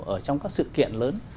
ở trong các sự kiện lớn